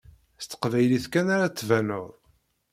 S teqbaylit kan ara ad tbaneḍ.